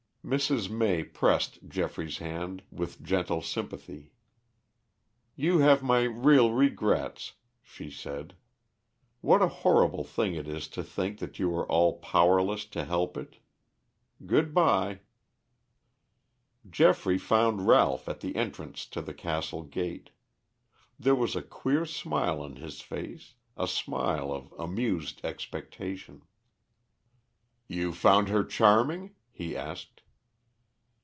Mrs. May pressed Geoffrey's hand with gentle sympathy. "You have my real regrets," she said. "What a horrible thing it is to think that you are all powerless to help it. Good bye." Geoffrey found Ralph at the entrance to the castle gate. There was a queer smile on his face, a smile of amused expectation. "You found her charming?" he asked.